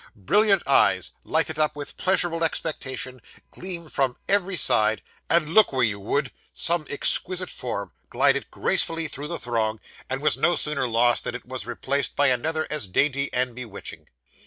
Brilliant eyes, lighted up with pleasurable expectation, gleamed from every side; and, look where you would, some exquisite form glided gracefully through the throng, and was no sooner lost, than it was replaced by another as dainty and bewitching.